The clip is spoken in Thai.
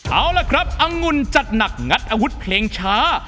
เอาล่ะครับอังุ่นจัดหนักงัดอาวุธเพลงช้า